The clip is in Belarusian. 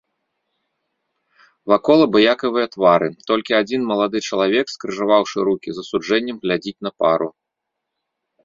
Вакол абыякавыя твары, толькі адзін малады чалавек скрыжаваўшы рукі с асуджэннем глядзіць на пару.